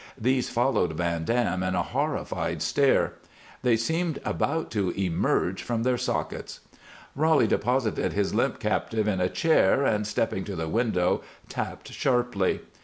These followed Van Dam in a horrified stare; they seemed about to emerge from their sockets. Roly deposited his limp captive in a chair and, stepping to the window, tapped sharply.